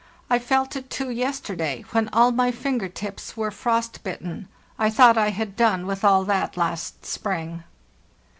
I felt it, too, yesterday, when all my finger tips were frost bitten. I thought I had done with all that last spring.